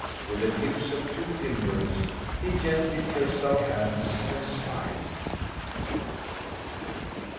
With the tips of two fingers he gently pressed our hands and smiled.